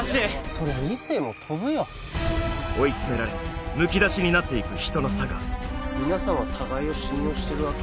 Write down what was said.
そりゃ理性も飛ぶよ追い詰められむき出しになっていく人の性皆さんは互いを信用してるわけ？